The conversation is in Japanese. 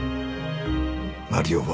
マリオは？